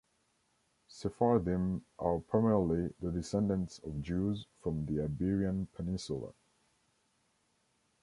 Sephardim are primarily the descendants of Jews from the Iberian Peninsula.